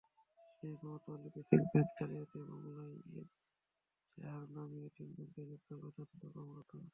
সেই ক্ষমতাবলে basic bank জালিয়াতির মামলায় এজাহারনামীয় তিনজনকে গ্রেপ্তার করেছেন তদন্ত কর্মকর্তারা।